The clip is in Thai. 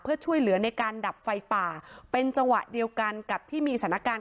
เพื่อช่วยเหลือในการดับไฟป่าเป็นจังหวะเดียวกันกับที่มีสถานการณ์